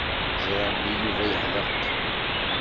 Ẓriɣ belli Yuba yeḥdeq.